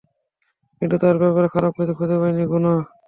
কিন্তু তার ব্যাপারে খারাপ কিছু খুঁজে পাইনি, গুনা।